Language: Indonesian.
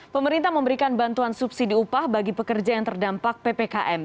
pemerintah memberikan bantuan subsidi upah bagi pekerja yang terdampak ppkm